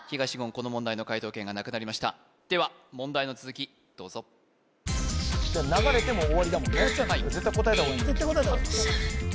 この問題の解答権がなくなりましたでは問題の続きどうぞ流れても終わりだもんね絶対答えた方がいい絶対答えた方がいい